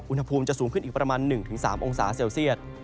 อุณหภูมิจะสูงขึ้นอีกประมาณ๑๓องศาเซลเซียต